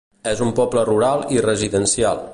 És un poble rural i residencial.